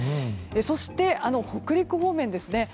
そして北陸方面ですね。